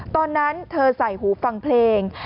ตอนนั้นเธอใส่หูฟังเพลง